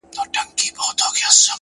او خپل گرېوان يې تر لمني پوري څيري کړلو؛